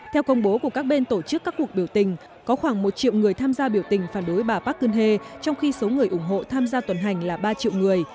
theo công bố của các bên tổ chức các cuộc biểu tình có khoảng một triệu người tham gia biểu tình phản đối bà parkune trong khi số người ủng hộ tham gia tuần hành là ba triệu người